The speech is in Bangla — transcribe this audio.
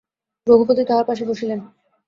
রঘুপতি তাঁহার পাশে বসিলেন।